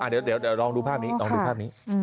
เดี๋ยวลองดูภาพนี้ลองดูภาพนี้